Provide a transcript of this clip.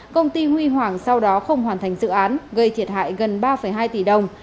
công ty huy hoàng sau đó không hoàn thành dự án gây thiệt hại gần ba hai tỷ đồng